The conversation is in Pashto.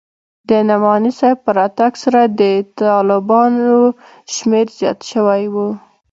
د نعماني صاحب په راتگ سره د طلباوو شمېر زيات سوى و.